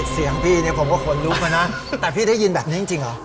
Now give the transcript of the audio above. เสียงพี่เนี่ยผมก็ขนลุกนะแต่พี่ได้ยินแบบนี้จริงเหรอ